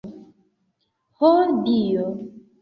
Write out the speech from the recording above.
Ho, Dio!